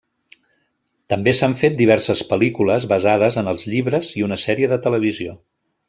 També s'han fet diverses pel·lícules basades en els llibres i una sèrie de televisió.